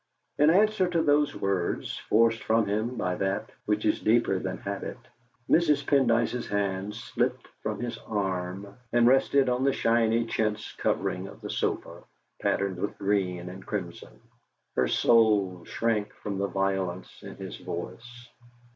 In answer to those words, forced from him by that which is deeper than habit, Mrs. Pendyce's hand slipped from his arm and rested on the shiny chintz covering of the sofa, patterned with green and crimson. Her soul shrank from the violence in his voice.